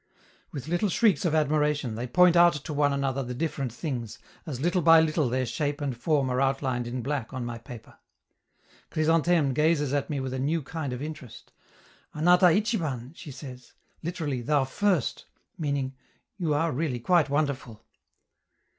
With little shrieks of admiration, they point out to one another the different things, as little by little their shape and form are outlined in black on my paper. Chrysantheme gazes at me with a new kind of interest "Anata itchiban!" she says (literally "Thou first!" meaning: "You are really quite wonderful!")